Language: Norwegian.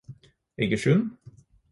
Egersund